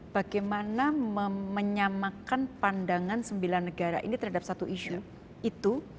bagaimana menyamakan pandangan sembilan negara ini terhadap satu isu itu